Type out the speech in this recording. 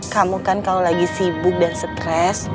kamu kan kalau lagi sibuk dan stres